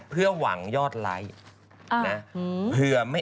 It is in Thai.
เพื่อหวังยอดไลค์นะ